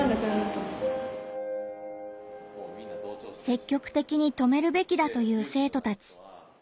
積極的に止めるべきだと言う生徒たち。